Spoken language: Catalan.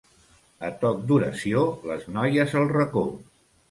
A toc d'oració, les noies al racó.